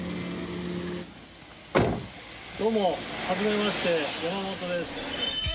どうも初めまして山本です